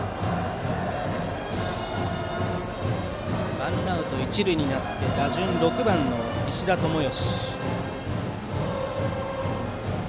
ワンアウト一塁になってバッターは６番の石田智能。